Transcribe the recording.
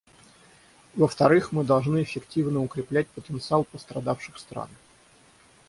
Во-вторых, мы должны эффективно укреплять потенциал пострадавших стран.